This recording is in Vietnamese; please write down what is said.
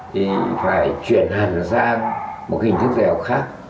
thì phải chuyển hành ra một hình thức giải học khác